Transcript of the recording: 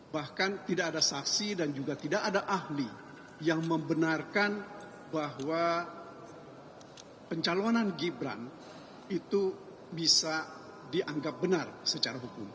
bahkan tidak ada saksi dan juga tidak ada ahli yang membenarkan bahwa pencalonan gibran itu bisa dianggap benar secara hukum